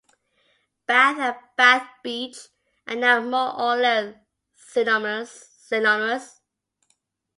Bath and Bath Beach are now more or less synonymous.